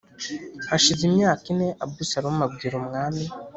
Hashize imyaka ine, Abusalomu abwira umwami